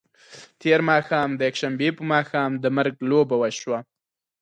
تېر ماښام د یکشنبې په ماښام د مرګ لوبه وشوه.